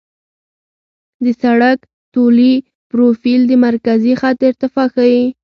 د سړک طولي پروفیل د مرکزي خط ارتفاع ښيي